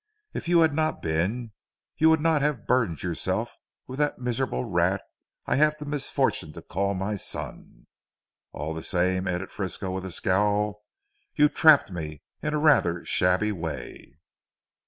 If you had not been, you would not have burdened yourself with that miserable rat I have the misfortune to call my son. All the same," added Frisco with a scowl. "You trapped me in rather a shabby way."